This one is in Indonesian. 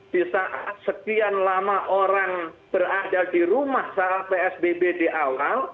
di saat sekian lama orang berada di rumah saat psbb di awal